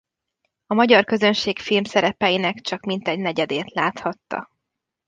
A magyar közönség filmszerepeinek csak mintegy negyedét láthatta.